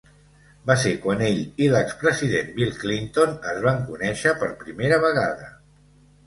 Va ser quan ell i l'expresident Bill Clinton es van conèixer per primera vegada.